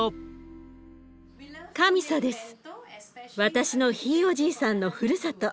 私のひいおじいさんのふるさと